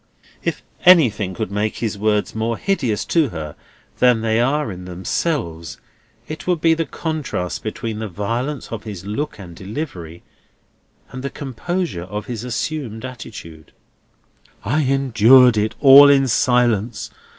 If anything could make his words more hideous to her than they are in themselves, it would be the contrast between the violence of his look and delivery, and the composure of his assumed attitude. "I endured it all in silence.